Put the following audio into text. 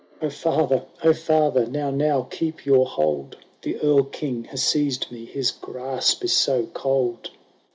"—" O father ! O father ! now, now, keep your hold ! The Erl King has seized me — his grasp is so cold."